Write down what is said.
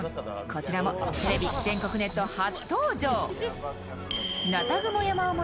こちらもテレビ、全国ネット初登場。